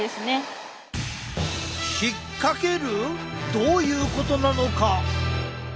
どういうことなのか？